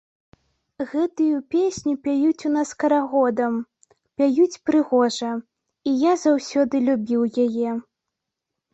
Гэтую песню пяюць у нас карагодам, пяюць прыгожа, і я заўсёды любіў яе.